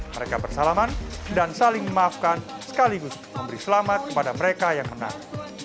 mereka bersalaman dan saling memaafkan sekaligus memberi selamat kepada mereka yang menang